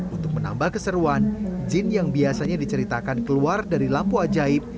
untuk menambah keseruan jin yang biasanya diceritakan keluar dari lampu ajaib